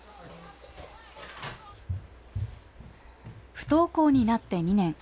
不登校になって２年。